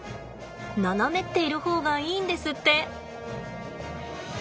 斜めっている方がいいんですって。